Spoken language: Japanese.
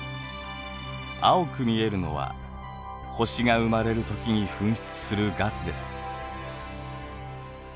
青く見えるのは星が生まれるときに噴出するガスです。